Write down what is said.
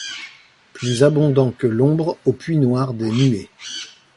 Plus abondants que l'ombre au puits noir des nuées